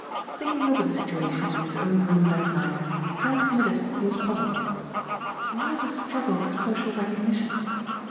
Thinking over the situation in his own room that night Trent admitted he was puzzled. Why this struggle for social recognition?